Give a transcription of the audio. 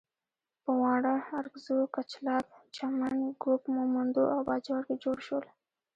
په واڼه، ارکزو، کچلاک، چمن، ږوب، مومندو او باجوړ کې جوړ شول.